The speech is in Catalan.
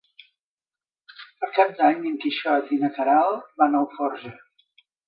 Per Cap d'Any en Quixot i na Queralt van a Alforja.